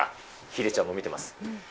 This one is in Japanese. ヒデちゃんも見てます。